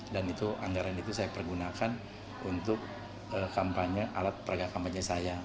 dan itu anggaran itu saya pergunakan untuk kampanye alat peragam kampanye saya